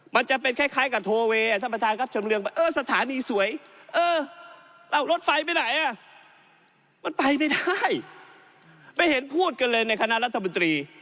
มันจะเป็นคล้ายกันท